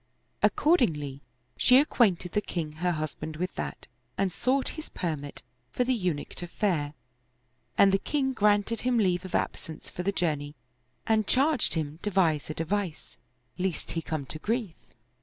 Ac cordingly she acquainted the king her husband with that and sought his permit for the Eunuch to fare: and the king granted him leave of absence for the journey and charged him devise a device, lest he come to grief.